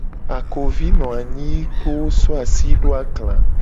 Akovi no anyi kpoo so asi do agla.